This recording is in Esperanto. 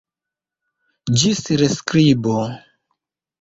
Ĝis reskribo!